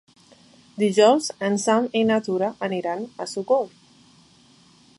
Dijous en Sam i na Tura aniran a Sogorb.